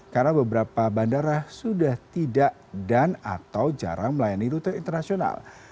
karena beberapa bandara sudah tidak dan atau jarang melayani rute internasional